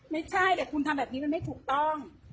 ไม่ใช่แต่คุณทำแบบนี้มันไม่ถูกต้อง